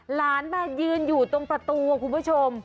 หลานมายืนอยู่ตรงประตูคุณผู้ชม